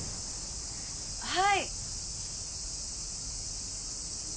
はい。